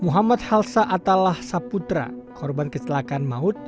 muhammad halsa atallah saputra korban kecelakaan maut